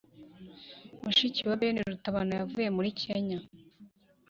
mushiki wa ben rutabana, yavuye muri kenya